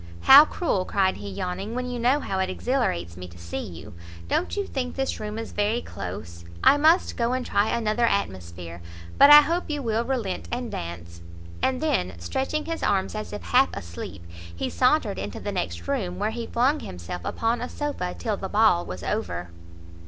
"How cruel!" cried he, yawning, "when you know how it exhilarates me to see you! Don't you think this room is very close? I must go and try another atmosphere, But I hope you will relent, and dance?" And then, stretching his arms as if half asleep, he sauntered into the next room, where he flung himself upon a sofa till the ball was over.